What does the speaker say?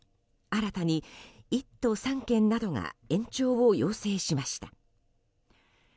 新たに１都３県などが延長を要請しました。